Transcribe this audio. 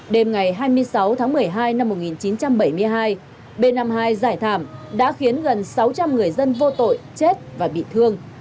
đêm ngày hai mươi sáu tháng một mươi hai năm một nghìn chín trăm bảy mươi hai b năm mươi hai giải thảm đã khiến gần sáu trăm linh người dân vô tội chết và bị thương